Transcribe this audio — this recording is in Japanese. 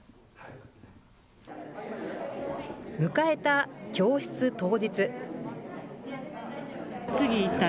迎えた教室当日。